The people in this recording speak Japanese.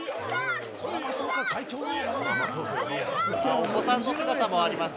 お子さんの姿もあります。